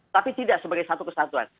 tapi tidak sebagai satu kesatuan